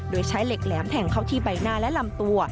โดยใช้เหล็กแหลมแทงเข้าที่ใบหน้าและลำตัว